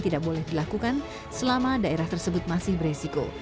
tidak boleh dilakukan selama daerah tersebut masih beresiko